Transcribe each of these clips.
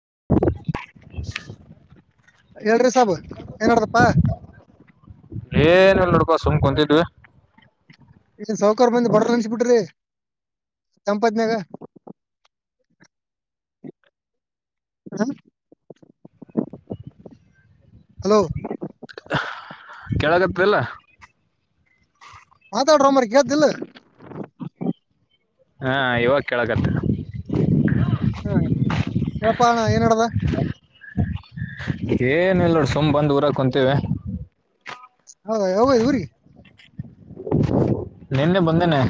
[unintelligible] [inaudible] ಹೇಳ್ರಿ ಸಾಬು ಏನ್ ನಡ್ದಪ್ಪಾ. ಏನಲ್ ನೋಡ್ಪಾ ಸುಮ್ ಕುಂತಿದ್ವಿ. ಎನ್ ಸೌಕಾರ ಬಂದ ಬಡವ್ರನ ನೆನ್ಸ್ ಬಿಟ್ರಿ ತಂಪತ್ನ್ಯಾಗ. ಹ [inaudible] ಹ್ಮ [unintelligible] ಹಲೋ, ಕೆಳಕತ್ದ ಇಲ್ಲಾ. ಮಾತಾಡ್ರೊ ಕೇಳ್ತದಿಲ್ಲ. ಹಾ, ಇವಾಗ ಕೇಳಕತ್ತದ. ಅಣ ಏನಡದಾ [unintelligible] ಏನ್ ಇಲ್ ನೋಡು ಸುಮ್ ಬಂದು ಊರ ಕುಂತೇವೆ. ಹೌದ, ಯಾವಾಗ ಹೋಗಿ ಊರಿಗಿ. ನಿನ್ನೆ ಬಂದೇನೆ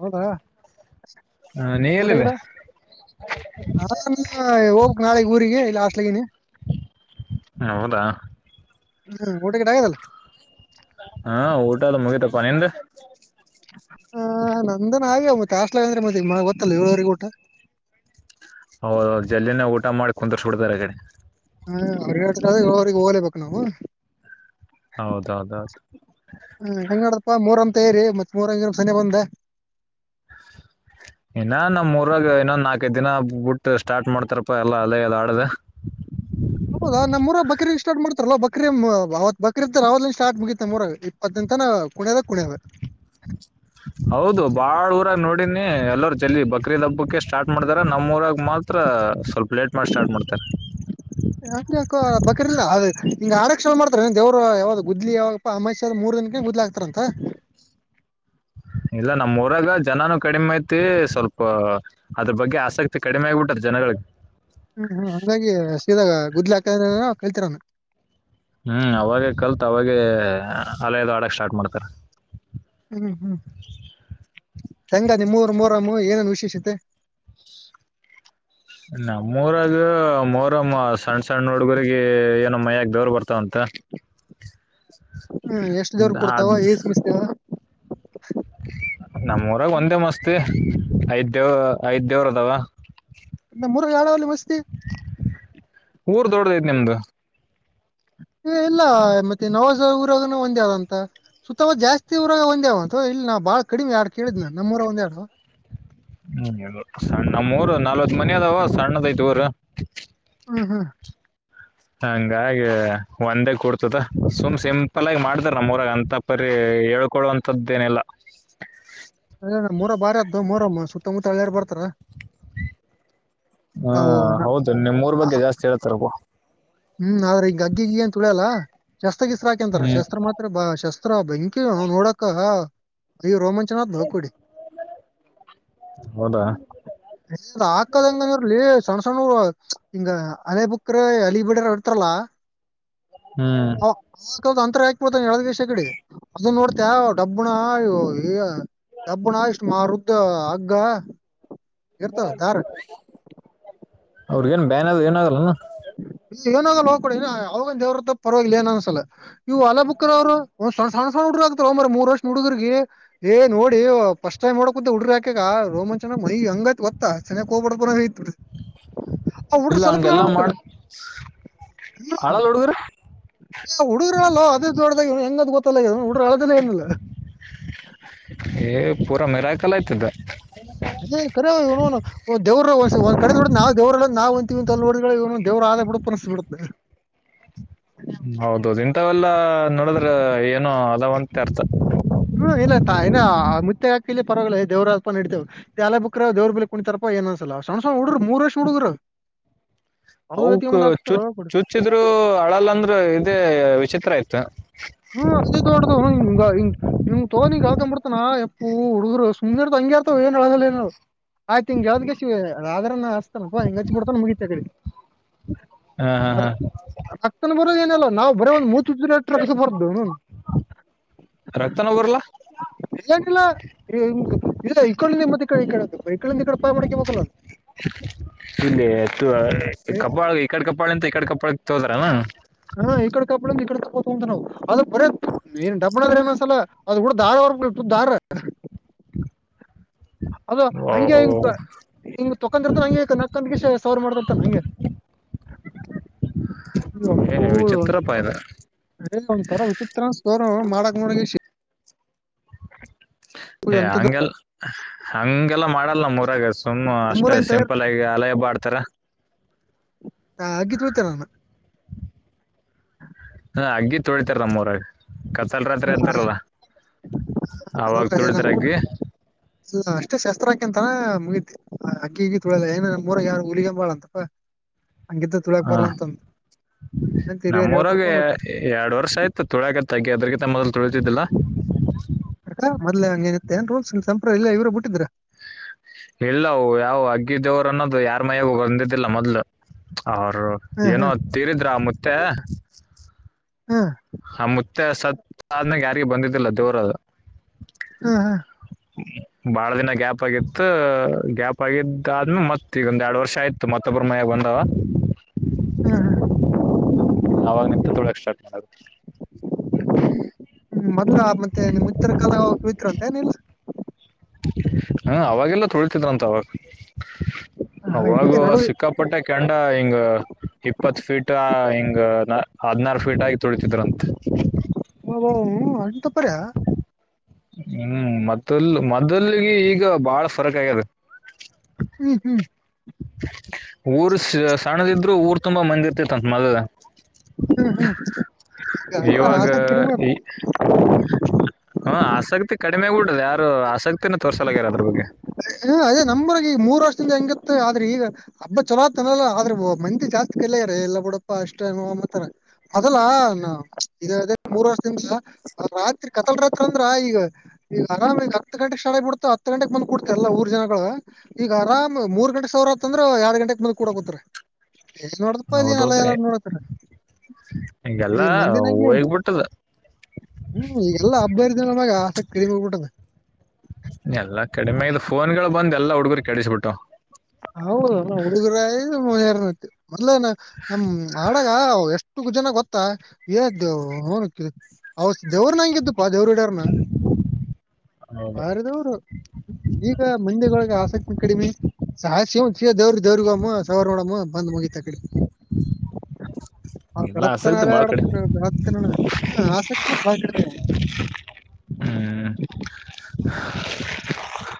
ಹೌದಾ, ಆ, ನೀ ಊಟ- ಎಲ್ಲಿದೆ ಗಿಟ [unintelligible] ಹ ಹೋಗ್ಕ್ಬೇಕ ನಾಳಿಗ್ ಊರಿಗಿ. ಸ್ಲಗ ನೀ [unintelligible] ಹೌದಾ, ಹ್ಮ, ಊಟಗಿಟ ಹಾಗದಲ್ಲಾ. ಪ ನಿಂದು [unintelligible] ಹ ನಂದನ ಆ್ಯ ಮತ್ತೆ ಆಸ್ಲ ಅಂದ್ರೆ ಮತ್ತೆ ಮ ಗೊತ್ತಲ್ಲ ಏಳುವರಿಗ ಊಟ [unintelligible] ಹೌದು ಜಲ್ದಿನೇ ಊಟ ಮಾಡಿ ಕುಂದರಿಸ ಸುಡತಾರೆಗಡೆ ಹ ಅವ್ರ್ರಿಗೆ ಹೋಗ್ಲೇಬೇಕು ನಾವು [unintelligible] ಹೌದೌದೌದು ಹ ಹೆಂಗಡಪ್ಪ ಮೂರ [unintelligible] ಮತ್ತರಿ ಮತ್ರಂ ಸನಿ ಬಂದ [unintelligible] ಏನ್ನ ನಮ್ಮ [inaudible] ಪರಾಗ ಇನ್ನೊಂದು ನಾಲ್ಕೈದ ದಿನ ಬುಟ್ಟ ಸ್ಟಾರ್ಟ್ ಮಾಡ್ತಾರಪ್ಪ ಎಲ್ಲಾ ಅಲ್ಲೇ ಅದ ಆಡದೆ [unintelligible] ಹೌದಾ ನಮ್ಮ್ರ ಬಕ್ರೀ ಸಾರ್ತಾರಲ್ಲ್ಲ ಬಕ್ರೀ ಅವತ್ ಬಕ್ರದ್ದ ಅವ ಸ್ಟಾರ್ಟ್ ಮುಗಿತ್ಮ್ಮ ಮೂರ ಇಪ್ಪತ್ತುಂತನ [inaudible] ಕುಣವ ಕುಣವ [unintelligible] ಹ [unintelligible] ಹೌದು ಬಾಳ್ ಊರಾಗ ನೋಡಿನಿ ಎಲ್ಲರರು ಜಲ್ಲಿ ಬಕ್ರೀ ದ ಹಬ್ಬಕ್ಕೆ ಸ್ಟಾರ್ಟ್ ಮಾಡ್ತಾರ ನಮ್ಮ ಊರಾಗ [inaudible] ಮಾತ್ರ ಸ್ವಲ್ಪ ಲೇಟ್ ಮಾಡಿ ಸ್ಟಾರ್ಟ್ ಮಾಡ್ತಾರೆ ಹಿ್ ಆರಕ್ಷಣೆ ಮಾಡ್ತಾರ ದೇವರು ಯಾವಾಗ ಗುದ್ಲಿ ಯಾವಪ್ಪ ಅಮ್ಯ ಮೂರ್ ದಿನಕ್ಕೆ ಗುದ್ಲಿ ಹ ಆಗ್ತಾರ ಅಂತ [unintelligible] ಇಲ್ಲ ನಮ್ಮ ಊರಾಗ ಜನನು ಕಡಿಮೆ ಐತಿ ಸ್ವಲ್ಪ ಅದ್ರ ಬಗ್ಗೆ ಆಸಕ್ತಿ ಕಡಿಮೆ ಆಗ್ಬಿಟ್ಟದ ಜನ [inaudible] [unintelligible] ಹ್ಮ್ ಹ್ಮ್ ಹಂಗಾಗಿ ಸೀದಾಗ ಗುದ್ಲಿ ಹಾಕ್ತಾ ಕಲ್ತಿರಾನ [inaudible] ಹ್ಮ್ ಅವಾಗ ಕಲ್ತ್ ಅವಾಗ ಹಲೆಯದು ಆಡಕ್ ಸ್ಟಾರ್ಟ್ ಮಾಡ್ತಾರ ಹ್ಮ್ ಹ್ಮ್ ಚಂಗದ ಮೂರ್ ಮೂರ ಏನೇನುಷ [unintelligible] ಷತೆ [unintelligible] ನಮ್ಮೂರಾಗ ಮೊಹರಂ ಸಣ್ಣ ಸಣ್ಣ ಹುಡ್ಗರಗ ಏನೋ ಮಯ್ಯಾಗ ದವರ್ ಬರ್ತಾರೆ ಬರುತ್ತಂತೆ ಹ್ಮ್ ಎಷ್ಟ್ ದೇವರಿಗೆ ಕೊಡ್ತಾವ ಏ ಸುಮಿಸ್ತವ [unintelligible] ನಮ್ಮೂಊರಾಗ ಒಂದೇ ಮಸ್ತಿ ಐದ್ ದೇವ ಐದ್ ದೇವ್ರ ಅದಾವ ಮೂರು [unintelligible] ಊರ್ ದೊಡದೈ ನಿಮ್ದು [inaudible] ಏ ಎಲ್ಲ ಮತ್ತೆ ನವಾಜ ಊರಾಗನ ಒಂದೇದ ಅಂತ ಸುತ್ತ ಜಾಸ್ತಿವರಾಗ ಒಂದ್ಯಾವ ಅಂತ ಇಲ್ಲ ನಾ ಬಾಳ ಕಡಿಮೆ ಆಾಡ್ ಕೇಳಿದ್ನ ನಮ್ಮವರ ಒಂದ್ಯಾಡ ಹ್ಮ ಸಣ್ಣ ನಮ್ಮೂರು ನಲ್ವತ್ ಮನಿ ಅದಾವ ಸಣ್ಣದೈತೆ ಊರು ಹ್ಮ್ ಹಾ ಹಂಗಾಗಿ ಒಂದೇ ಕೊಡ್ತದ ಸುಮ್ ಸಿಂಪಲ್ ಆಗಿ ಮಾಡ್ತಾರ ನಮ್ಮೂರಾಗ ಅಂತ ಪರಿ ಹೇಳ್ಕೊಡುವಂತದ್ದೇನೆಲ್ಲ ಅ ಮೊರ ಬಾರ್ದು ಮೊರಮ್ಮ ಸುತ್ತಮುತ್ತಳ್ಳ್ಯಾರ ಬರ್ತಾರ [unintelligible] ಹಾ ಅವು ನ- ಹೌದು ನಿಮ್ಮ್ ಮೂರ್ ಆ ಬಗ್ಗೆ ಜಾಸ್ತಿ ಹೇಳ್ತಾರೆ ಹ್ಮ್ ಆದ್ರೆ ಈಗ ಗಗ್ಗಿಗೆ ಏನ್ ತುಳ್ಯಲ್ಲ [unintelligible] ಶಸ್ತ್ರ ಹಸ್ರ ಹಾಕಂತಾರ ಹ್ಮ್ ಶಸ್ತ್ರ ಮಾತ್ರ ಬ ಶಸ್ತ್ರ ಬೆಂಕಿ ನೋಡಕ ಅಯ ರೋಮಾಂ ಚನಾ ಭಕಡಿ ಹೌದಾ [unintelligible] ್ ಹಾಕದಂಗರ್ಲಿ ಸಣ್ಣ ಸಣ್ಣರು [unintelligible] ಹಂಗ ಹಲೆ ಬುಕ್ಕ್ರ ಅಲಿ ಬಿಡ ಹಡ್ತಲ್ಲ ಹ್ಮ್ [unintelligible] ಅಂತರ ಹಾಕ್ಬಡ್ತ ಎಳದ ದಷ ಕಡೆ ಅದನ್ನ ನೋಡ್ತ ಡಬಣ ಇ ಕಬ್ಬಿಣ ಇಷ್ಟ್ ಮಾರುದ್ದ ಹಗ್ಗ ಇರ್ತ ದಾರ್ [unintelligible] ಅವ್ರಗ ಏನ್ ಬೇನ್ ಅದ ಏನಾಗಲ್ಲನ ಇ ಏನಾಗ ಹೋಗ ಕೊಡಿ ಅವಾಗ ದೇವ್ರ ಪರವಾಗಿಲ್ಲ ಏನ ಅನ್ಸಲ್ಲ [unintelligible] ಇವು ಅಲಾ ಬುಕ್ಕರ್ ಅವರು ಸಣ್ಣ ಸಣ್ಣುಡ್ರಾ ಆಕ್ತ ಒಂಬ್ರ ಮೂರ್ ವರ್ಷ ಹುಡುಗ್ರ ಏ ನೋಡಿ ಸ್ಟ್ ಟೈಮ್ ಹೊಡಕ ಕುಂತ ಉು್ರಾಕಗ ಸಮ ಚನ ಮೈಿ ಹಂಗತ್ ಗೊತ್ತಾ ಚೆನ್ನಾಗ ಹೋಗ್ಬಡ ಪ ಐತ್ ಆ ಹುಡ್ರ ಇಲ್ಲ ಸ್ವಲ್ಪ ಹಂಗೆಲ್ಲಾ ನಾದ ಮಾಡ್ [unintelligible] ಹ್ಮ ಆಳಲ್ಲ ಹುಡುಗರು ಏ ಹುಡುಗರಲ್ಲ ಅದೇ ದೊಡ್ಡ್ದಾಗ ಹೆಂಗ ಗೊತ್ತ [unintelligible] ಇ ರಳಲ್ಲ ಆನಿಲ್ಲ [unintelligible] ಏ ಪೂರಾ ಮೆರಕಲ್ಲ ಆ್ತದ ಅದೇರೆ ದೇವ್ರ ಒಂದ ಕಡೆ ನೋಡ ನಾವು ದೇವ್ರಲ್ಲ ನಾ ತಲ್ಬಡಿಗಳ ಇ ದೇವ್ರ ಆದ ಬಿುಡಪ ಅನಸ ಬಿಡುತ್ತೆ ಹೌದೌದು ಇಂಥವೆೆಲ್ಲಾ ನೋಡದ್ರ ಏನೋ ಅದಾವಂತೆ ಅರ್ಥ ಹ್ಮ ಇಲ್ಲಾ ಇ ಮುತ್ತೆ ಹಾಕ ಇಲ್ಲಿ ಪರವಾಗಿಲ್ಲ ದವ್ರ ಅಪ ನಡತೇವೆ ಎಲ್ಲ ಬುಕ್ ದೇವ್ರ ಬಳಿ ಕುಣಿತರಪ್ಪ ಏನ್ಸಲ್ಲ ಶಣ್ಹಡ್ರ ಮೂರ್ಷ ಹುಡುದರು [unintelligible] [inaudible] ಅವಕ್ ಚುಚ್ ಕೊಡಿ ಚುಚ್ಚಿದ್ರು ಅಳಲ್ಲ ಅಂದ್ರ ಇದೇ ವಿಚಿತ್ರ ಆಯ್ತ ಹ್ಮ ಅ ದೊಡ್ಡದ ಹ ನಿವ್ ತೋಕಳ್ಕೊಂಬ ಬಿಡ್ತಾನನಾ ಎಪ್ಪು ಹುಡುಗರು ಸುಮ್ರ್ ಹಂಗಗೆ ಇರ್ತವ ಏನ್ಳಲ್ಲ ಏನ ಆಯ್ತು ಹಿಂಗಗೆವ್ದ್ ಶಿವ ಆದದ್ರ ಹೆಂಗಚ್ಚಡ್ತ ಮುಗ ಹಾ ಹಾ ಹಾ ರಕ್ತನ ಏನಲ್ಲ ನಾವು ಬರ ಒಂದುಮೂತಿದು ಸ ಹೊರ್ದ ಹನು ರಕ್ತನ ಬರ್ಲ ಇಲ್ಲಂಗಲ್ಲ ಇದುಕೊಂಡ ಮತ್ತೆ ಕ ಕಡ ಬೈಕೊಳ್ಳ ಕಡಪಾ ಮಾಡಕಿ ಮಕ್ಕಲ್ಲದು ಇಲ್ಲಿ ಏ, ಕಬಾಳ ಈಕಡೆ ಕಪ್ಪಾಳ ಅಂತ ಈಕಡೆ ಕಪ್ಪಾಳ ತೋದಾರನಾ ನ ಅದು ಬರ ಏನ್ ಡಬ್ಣದ್ರ ಏನೊಂದ್ಸಲ ಅದ ಕೂಡ ದಾರ್ರ್ ದಾರ [unintelligible] [inaudible] ಅದ ಓ ಹಂಗೆ ಓ. ಹ ಹಿಂಗ ತೊಕೊಂಡಿರ್ತ ಹಂಗೆ ನಕಂದ ಗ ಸಾವಾರ ಮಾಡ್ತರ್ತಾನ ಹಂಗೆ [unintelligible] [inaudible] ಏ ಅಪ್ಪುಂತ ವಿಚಿತ್ರಪ್ಪ ಇದು ಏ ಒಂದ್ ತರ ಹಚಿಪ್ತರ ತೋರ್ ಮಾಡಕ್ ಮಾಡಗ ಏ ಎಂತ ಹಂಗೆಲ್ಲ ಹಂಗೆಲ್ಲ ಮಾಡಲ್ಲ ಮೂರಾಗ ಸುಮ್ಮ್ ನಿಮ್ಮೂರ ಅಷ್ಟೇ ಇಂತ ಸಿಂಪಲ್ ಆಗಿ ಅಲಯ ಬಡ್ತ ತ್ತರ ಹಗೆ ತ ಚಲಾನ ಅಗ್ಗಿ ತೊಳಿತಾರೆ ನಮ್ಮವರಾಗ ಕತ್ತಲ್ ರಾತ್ರಿ ಅಂತಾರಲ್ಲ ಅವಾಗ ತುಳಿತರಗಿ ಇಲ್ಲ ಅಷ್ಟೇ ಶಸ್ತ್ರಾಕಿ ಅಂತಾನ ಮುಗತಿಅಕ್ಕಿ ಹಗಿ ತೊಳಲ್ಲ ಏನ ನಮ್ಮ್ಊರಗೆ ಯಾರು ಹುಲಿಗಂಬಾಳ ಅಂತಪ್ಪಾ ಹಂಗಿದ್ದ ತುಳಿಯಕ್ ಹ ಬರ್ಲ್ಲ ಅಂತಂತ ನಮ್ಮೂರಾಗ ಎರಡ್ ವರ್ಷ ಆಯ್ತು ತುಳಕ ತಗಿ ಅದ್ರ ಮೊದಲು ತೊಳತಿದ್ದಿಲ್ಲ ಅ ಮೊದ್ಲೆ ಹಂಗ ಏನತ್ತ ಏನ್ ರೋಲ್ಸ್ ಸಂಪ್ರ ಇಲ್ಲ ಇವರು ಬಿಟ್ಟಿದ್ರ ಇಲ್ಲವು ಯಾವ ಅಗ್ಗ ದೇವರು ಅನ್ನೋದು ಯಾರ್ ಮೈಾಗ ಬಂದಿದ್ದಿಲ್ಲ ಮೊದ್ಲು ಅವರು ಹ್ಮ್ ಏನೋ ತೀರಿದ್ರ ಆ ಮುತ್ತೆ ಹ್ಮ್ ಹ ಮುತ್ತೆ ಸತ್ ಆದನಾಗ ಯಾರಿಗ ಬಂದಿದ್ದಿಲ್ಲ ದೇವರದು ಹಾ ಹಾ ಹ ಬಾಳ ದಿನ ಗ್ಯಾಪ್ ಆಗಿತ್ತು ಗ್ಯಾಪ್ ಆಗಿದ್ದಾದ್ಮೇ ಮತ್ತತ್ ಈಗೊಂದ ಎರಡು ವರ್ಷ ಆಯ್ತು ಮತ್ತೊಬ್ಮಯ ಬಂದ ಹ ಹಾ ಹಾ ಅವಾವಾಗ ನಿಂತ ತೊಳಕ್ ಸ್ಟಾರ್ಟ್ ಮಾಡದು ಮದ ಮತ್ತೆ ನಿಮ್ ಮಿತ್ರರ ಕಾಲ ಮಿತ್ರ ಅಂತ ಏನಿಲ್ಲ ಹಾ ಅವಾಗೆಲ್ಲ ತೊಳತಿದ್ರಂತ ಅವಾಗ ಹೀಗೆ ಅವಾಗ ನಡು ಸಿಕ್ಕಾಪಟ್ಟೆ ಕೆಂಡ ಹಿಂಗ ಇಪ್ಪತ್ ಫೀಟ್ ಹಿಂಗ ಹದನಾರು ಫೀಟ್ ಆಗಿ ತುಳಿತಿದ್ರಂತ. ಅಂತ ಪರಿಹಾ. ಹ್ಮ್ ಮತ್ತಲ್ ಮೊದಲಗೆ ಈಗ ಬಹಳ ಫರಕ್ ಆಗ್ಯದ. ಹ್ಮ್ ಹ್ಮ್ ಊರ್ ಸಣ್ಣದಿದ್ರು ಊರ್ ತುಂಬಾ ಮಂದಿ ಇರ್ತಿತ್ ಅಂತ ಮದಲ ಹ್ಮ ಹ್ಮ ಈಗ ಎಲ್ಲ ಆಸ ಕಡಿ ಮಾಡ. ಹ್ಮ ಆಸಕ್ತಿ ಕಡಿಮೆ ಯಾಗಿದೆ ಯಾರು ಆಸಕ್ತಿನ ತೋರ್ಸಲಾಗ್ಯಾರ ಅದರ ಬಗ್ಗೆ. ಹ ಅದೇ ನಮ್ಮರಗೆ ಈಗ ಮೂರು ವರ್ಷದಿಂದ ಹೆಂಗತ್ತು ಆದ್ರೆ ಈಗ ಹಬ್ಬ ಚೊಲೋತನಲ್ಲ ಆದ್ರೆ ಮಂದಿ ಜಾಸ್ತಿ. ಲ್ಲಾರ ಎಲ್ಲ ಬಿುಡಪ್ಪ ಅಷ್ಟೇನು ಅಂಬತಾರ ಮೊದಲ ಮೂರ್ ವರ್ಷದ ಹಿಂದೆ. ರಾತ್ರಿ ಕತ್ತಲ್ ರಾತ್ರಿ ಅಂದ್ರ ಈಗ ಈಗ ಅರಾಮ ಈಗ ಹತ್ತು ಗಂಟೆಗೆ ಸ್ಟಾಟ್ ಆಗಿ ಬಿಡತ ಹತ್ತು ಗಂಟೆಗೆ ಬಂದ್ ಕೊಡ್ತ. ಎಲ್ಲಾ ಊರ್ ಜನಗಳು ಈಗ ಆರಾಮ್ ಮೂರ್ ಗಂಟೆ ಸಾವರತ್ ಅಂದ್ರೆ ಎರಡ್ ಗಂಟೆಗೆ ಬಂದ ಕುಡಕುಂತರ ಎಷ್ಟ ನೋಡತಪ್ಪ ಅಲ್ಲಿ ನಲ ಹೌದೌದು ಎಲ್ಲ ನೋಡತಾರ. ಈಗ ಈಗೆಲ್ಲಾ ಮಂದಿ ನಂಗೆ ಹೋಗ್ಬಿಟ್ಟದ ಹ್ಮ್ ಈಗೆಲ್ಲಾ ಹಬ್ಬ ಹರಿ ನಮಗೆ ಆಸಕ್ತಿ. ಕಡಿಮೆ ಆಗಿ ಬಿಟ್ಟದ ಫೋನ್ ಗಳು ಬಂದ ಎಲ್ಲ ಹುಡುಗರು ಕೆಡಿಸ್ಬಿಟ್ಟವ. ಹೌದು ಹುಡುಗರ ಮೊದ್ ನಮ ಮೊದಲ ಮಾಡಾಗ ಎಷ್ಟ. ಒ ಜನ ಗೊತ್ತಾ ಏ ದೇವ ಹನು ದೇವ್ರ ನಂಗಿದ್ದು. ಪ ದೇವರ ಹಿಡರನ ಹೌದು ಮಾರದವರು ಈಗ ಮಂದಿಗಳಗೆ ಆಸಕ್ತಿ ಕಡಿಮೆ. ಆ ಶಿವ ಶಿವ ದವ್ರ ದವ್ರಗಮ್ಮ ಸವಾರ ನೋಡಮ್ಮ ಬಂದ್ ಮುಗತ ಕಡೆ. ಹ ಹ ಬೆಡ ನಾಲೆ ಅಡ ಬೆಡತ್ತಿನ ಆಸಕ್ತಿ ಬಹಳ ಕಡಿಮೆ. ಹ್ಮ್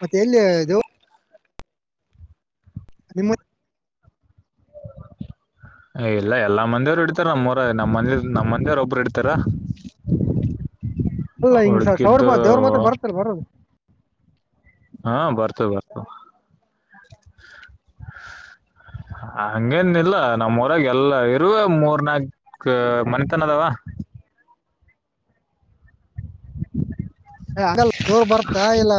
ಮತ್ತೆ ಎಲ್ಲಿ ದೇವ ಅ ಮ ಇಲ್ಲ ಎಲ್ಲಾ ಮಂದಿಯವ್ರು ಇಡ್ತಾರ ನಮ್ಮವರ ನಮ್ಮ ಮಂದ ನಮ್ಮ ಮಂದಿಯವ್ರ ಒಬ್ರು ಇಡ್ತಾರ. ಅಲ್ಲ ಹಿಂಗ್ ಸವರ್ ಉಳಿಕಿದ್ದು. ದೇವ್ರ ಮಾತ್ರ ಬರ್ತಲ್ಲ ಬರೋದು ಹಾ ಬರ್ತ ಬರ್ತು. ಹಂಗೇನ್ ಇಲ್ಲ ನಮ್ಮ್ ಉರಾಗ ಎಲ್ಲ ಇರುವ ಮೂರ್ ನಾಕ್ ಮನಿತನ ಅದಾವ. ಹ ಯ ಆಗಲ್ಲ ದೇವರ ಬರ್ತಾ ಇಲ್ಲ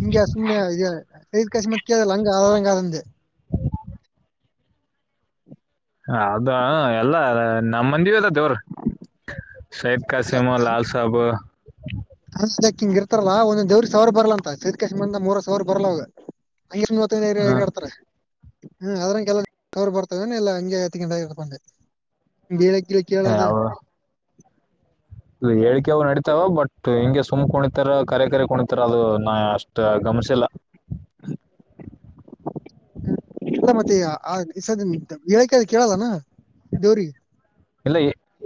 ಹಿಂಗೆ ಸುಮ್ನೆ ಮುತ್ಯಾಲ ಆದಂಗ್ ಆಗಲ್ಲ ಅಂದ್ಯ. [unintelligible] ಅದು ಎಲ್ಲ ನಮ್ಮ ಮಂದಿವೆ ಅದಾವ ದೇವರು. ಸಯದ ಕ ಸಿಮ ಲಾಲ್ ಸಾಬ್, ಹ ಅದಕ್ ಹಿಂಗ ಇರ್ತಾರಲ್ಲ ಒಂದೊಂದ್ವ್ರ ಸಾವಿರ ಬರ್ಲ ಅಂತ ಸದಕಶಮಂದ ಮೂರರ್ ಸಾವಿರ ಬರ್ಲ್ಲವಾಗ. ಐಷ್ಟ ಮೂವತ್ತೈದ ಹೇಗಾಡ್ತಾರೆ. ಹ್ಮ್ ಅದ್ರಲ್ಲ ಅವರು ಬರ್ತವ ಎಲ್ಲ ಹಂಗೆ ಹತ್ತ ಗಂಟ ಇಕೊಂಡೆ. ಕೇಳದ. ಯಾವ ಹೇಳಕೇಳಿ ಅವ ನಡಿತತಾವ ಬಟ್ ಹಿಂಗೆ ಸುಮ್ ಕುಣಿತಾರ ಕರೆ ಕರೆ ಕುಣಿತಾರ ಅದು ನಾ ಅಷ್ಟ. ಅ ಗಮನಶಿಲ್ಲ. ಹೇಳಿಕೆ ಕೇಳಲ್ಲನಾ ದೇವ್ರಗಿ. ಇಲ್ಲ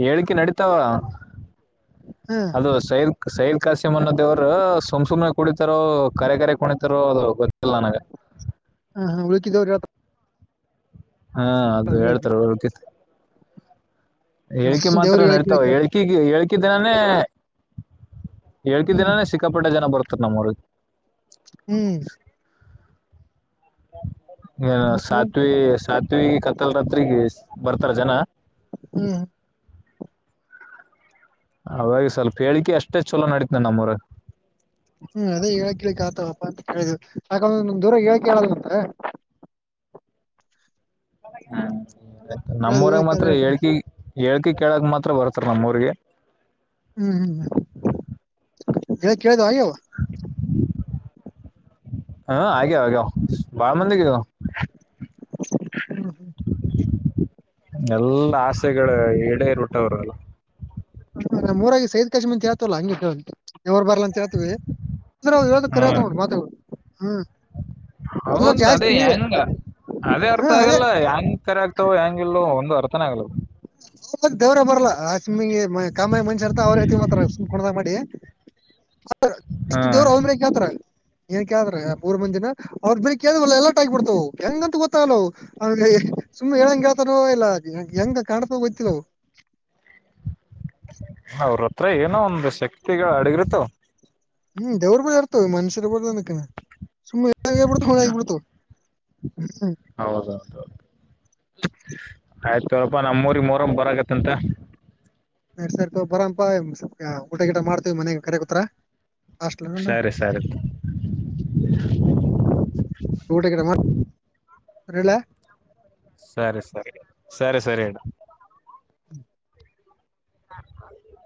ಹೇಳಿಕೆ ನಡೀತಾವ. ಹಾ ಅದು ಸೈಲ್ ಸೈಲ್ ಕಾಸಿಮನ್ನ ದೇವರು. ಸುಮ್ ಸುಮ್ನೆ ಕುಡಿತಾರೋ ಕರೆ ಕರೆ ಕುಣಿತಾರೋ ಅದು ಗೊತ್ತಿಲ್ಲ ನನಗೆ. ಹಾ ಹಾ ಉಳಿಕಿದವ್ರ ಹೇಳ್ ಹಾ ಅದು ಹೇಳ್ತಾರೆ ಉಳಕಿದರ ಅದೇನ್ ದೇವ್ರು ಹೇಳಿಕೆಮಾತ್ರ ಹೇಳಕ್ ನಡತಾವ ಗಿಳಕ್ ಹೇಳ್ತಾರ ಹೇಳಕಿ ಹೇಳಕಿ ದಿನಾನೇ. ಹೇಳಿಕಿ ಹ್ಮ್ ದಿನಾನೇ ಸಿಕ್ಕಾಪಟ್ಟೆ ಜನ ಬರ್ತರ್ ನಮ್ಮ ಊರಿಗಿ. ಹ್ಮ್ ಏ ಸಾತ್ವಿ ಸಾತ್ವಿ ಕತ್ತಲ್ ರಾತ್ರಿಗೆ ಬರ್ತಾರ ಜನ ಹ್ಮ್ ಹಾಗಾಗಿ ಸ್ವಲ್ಪ ಹೇಳಿಕೆ ಅಷ್ಟೇ ಚೊಲೋ ನಡೀತವ ನಮ್ಮ ಊರಾಗ ಹ್ಮ್ ಅದೇ ಹೇಳ ಕಿಳಿಕ್ ಆತಾವಪ್ಪಾ ಅಂತ ಕೇಳಿದವು ಯಾಕಂದ ದೂರ ಹೇಳಿಕೆ ಹೇಳಲ್ಲ ಅಂದ್ರ ಹ್ಮ್ ಅದಕ್ ನಮ್ಮ ಕೇಳಿದ್ವಿ ಉರಾಗ ಹೇಳಕ್ ಯಾರ್ ಮಾತ್ರ ಹೇಳ್ತಾರ ಹೇಳಿಕಿ ಹೇಳಕಿ ಕೇಳಕ್ ಮಾತ್ರ ಬರ್ತಾರ ನಮ್ಮೂರಿಗೆ ಹ್ಮ್ ಹ್ಮ್ ಹೇಳಿದ್ ಕೇಳಿದ್ ಯವ್ವ. ಹಾ ಆಗ್ಯಾವ ಆಗ್ಯಾವ ಬಾಳ ಮಂದಿಗ ಆಗ್ಯವ. [inaudible] ಎಲ್ಲಾ ಆಸೆಗಳ ಇಡೇರ್ಬಿಟ್ಟವ ಅವ್ರೆಲ್ಲ. ಹ್ ನಮ್ಮೂರಾಗ ಈ ಸೈದ ಕೇಸಿ ಮುಂದ್ ಕೇಳ್ತವಲ್ಲ ಹಂಗೆ ಕೇಳ್ ದೇವ್ರ ಬರ್ಲ ಅಂತ ಹೇಳ್ತೀವಿ ಆದ್ರ ಅವ್ರ ಹೇಳದ್ರ ಖರೆ ಆತವ್ ನೋಡ್ರಿ ಮಾತ್ ಇವ್ ಹ್ಮ್. ಎಲ್ಲ ಹೌಂದು ಅದೇ ಜಾಸ್ತಿ ಹೆಂಗ ಅದೇ ಅರ್ಥ ಆಗಲ್ಲ ಹೆಂಗ ಖರೆ ಆಗ್ ತಾವೋ ಹೆಂಗ ಇಲ್ಲೋ ಒಂದು ಅರ್ಥನೆ ಆಗಲ್ ಅವು. ಮತ್ತ್ ದೇವ್ರ ಬರಲ್ಲ ಆ ಸಿಮ್ಮಿಗೆ ಕಾಮಾಯಿ ಮನುಷ್ಯ ಇರ್ತಾವ ಅವ್ರ ಐತಿ ಮಾತಾರ ಹ್ ಈಷ್ಟ ಹ್ಮ್ ದೇವ್ರ ಒಮ್ರೆ ಕೇಳ್ತಾರಾ. ಏನ್ ಕೇಳಿದ್ರ ಯ ಮೂರ್ ಮಂದಿನ ಅವೃದಬಿ ಕೇಳಿದ್ವಲ್ಲ ಎಲ್ಲಾಟ ಆಗಿಬಿಡ್ತವವು ಹೆಂಗಂತ ಗೊತ್ತಾಗಲ್ಲ ಅವು ಅವ್ ಏ ಸುಮ್ಮ್ ಹೇಳಂಗ ಹೇಳ್ತಾರೋ ಇಲ್ಲ ಅದ್ ಹೆ ಹೆಂಗ ಕಾಣ್ತದ ಗೊತ್ತಿಲ್ಲವು. ಅವ್ರತ್ರ ಏನೋ ಒಂದ ಶಕ್ತಿಗಳ ಅಡಗಿರ್ತಾವ. ಹ್ಮ್ ದೇವ್ರ ಬಲ್ಲಿ ಇರ್ತವ ಈ ಮನುಷ್ಯರ ಬಲ್ ಎನಕ್. ಸುಮ್ ಹೇಳ್ಬಿಡತವ ಅವೇ ಆಗಿ ಬಿಡ್ತಾವ್ ಹ್ಮ್. ಆಯ್ತತೋಪ್ಪಾ ನಮ್ಮೂರಿಗ ಮೊರಂಗ ಬರಗತ್ತಂತ. ಐತ್ ಸರಿ ತೋಪಾ ಬರಂಪಾ [unintelligible] ಯಾ ಊಟ ಗಿಟ ಮಾಡ್ತೇವಿ ಮನ್ಯಾಗ ಕರ್ರ ಕುತಾರ. ಸರಿ ಸರಿ ಊಟ ಗಿಟ ಮಾಡ್ ಸರಿ ಇಡ್ಲ್ಯ. ಸರಿ ಸರಿ ಸರಿ ಸರಿ ಇಡ. ಹ್ಮ್ ನಾ ಅಲ್ಲೋ.